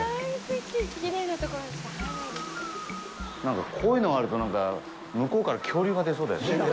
なんか、こういうのがあると向こうから恐竜が出そうだよね？